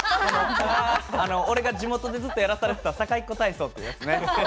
俺が地元でずっとやらされてた堺っ子体操ってやつね